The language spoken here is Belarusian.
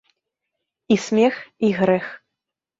І смех і грэх.